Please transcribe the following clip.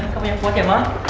kamu yang kuat ya oma